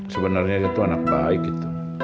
sebenarnya dia tuh anak baik gitu